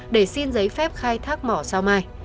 để xin giấy phép khai thác mỏ sao mai